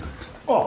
ああ。